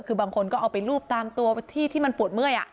คือบางคนก็เอาไปรูปตามตัวที่ที่มันปวดเมื่อย